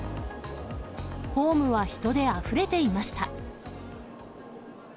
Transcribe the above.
ホームは人であふれていました。